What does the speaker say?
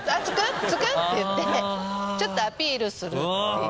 着く？って言ってちょっとアピールするっていう。